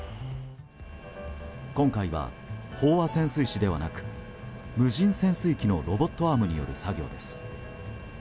今回は、飽和潜水士ではなく無人潜水機のロボットアームによる作業です。